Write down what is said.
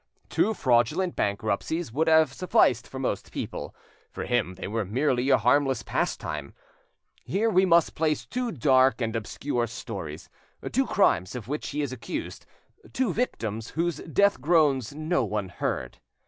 Two fraudulent bankruptcies would have sufficed for most people; for him they were merely a harmless pastime. Here we must place two dark and obscure stories, two crimes of which he is accused, two victims whose death groans no one heard.